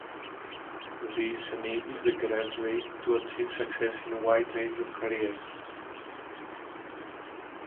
This enables the graduate to achieve success in a wide range of careers.